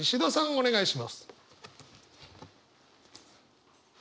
お願いします。